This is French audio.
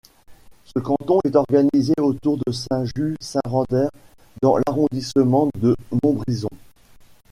Ce canton est organisé autour de Saint-Just-Saint-Rambert dans l'arrondissement de Montbrison.